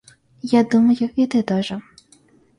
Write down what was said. Я думаю, и ты тоже.